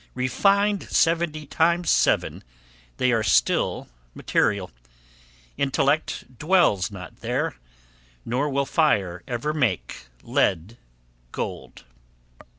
Refined seventy times seven, they are still material; intellect dwells not there; nor will fire ever make lead gold!